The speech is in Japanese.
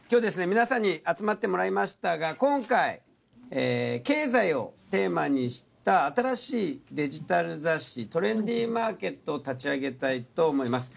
皆さんに集まってもらいましたが今回経済をテーマにした新しいデジタル雑誌『トレンディマーケット』を立ち上げたいと思います。